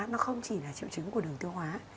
nó không chỉ là triệu chứng của đường tiêu hóa